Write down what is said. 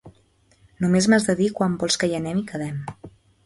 Només m'has de dir quan vols que hi anem i quedem.